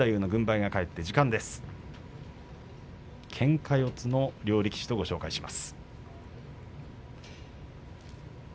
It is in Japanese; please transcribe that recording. けんか四つの両力士とご紹介します。